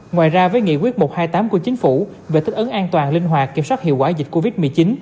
ngoài ra với nghị quyết một trăm hai mươi tám của chính phủ về thích ấn an toàn linh hoạt kiểm soát hiệu quả dịch covid một mươi chín